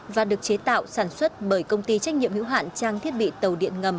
và được chế tạo sản xuất bởi công ty trách nhiệm hữu hạn trang thiết bị tàu điện ngầm